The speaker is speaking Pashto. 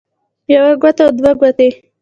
يوه ګوته او دوه ګوتې